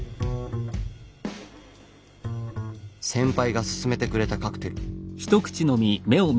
先輩が薦めてくれたカクテル。